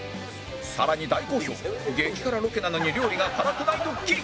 さらに大好評激辛ロケなのに料理が辛くないドッキリ